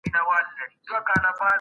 پوهانو پرمختیا ته نوي تعریفونه ورکول.